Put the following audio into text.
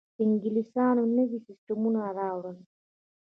انګلیسانو نوي سیستمونه راوړل.